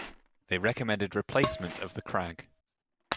They recommended replacement of the Krag.